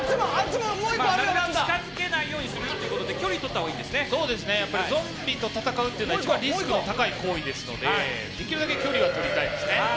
近づけないようにするということでゾンビと戦うというのは一番リスクが高い行為なのでできるだけ距離を取りたいですね。